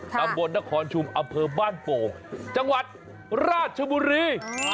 ตำบลนครชุมอำเภอบ้านโป่งจังหวัดราชบุรี